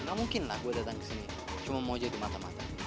gak mungkin lah gue datang ke sini cuma mau jadi mata mata